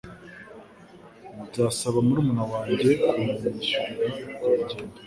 Nzasaba murumuna wanjye kunyishyurira urwo urugendo.